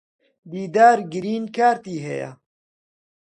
دیدار گرین کارتی ھەیە.